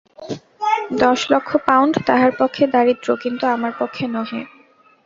দশ লক্ষ পাউণ্ড তাঁহার পক্ষে দারিদ্র, কিন্তু আমার পক্ষে নহে।